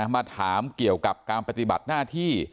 มาถามเกี่ยวกับการปฏิบัติหน้าที่